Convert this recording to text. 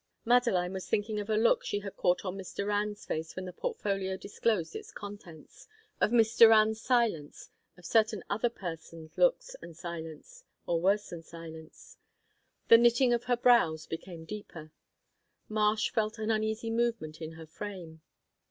Madeline was thinking of a look she had caught on Miss Doran's face when the portfolio disclosed its contents; of Miss Doran's silence; of certain other person' looks and silence or worse than silence. The knitting of her brows became deeper; Marsh felt an uneasy movement in her frame.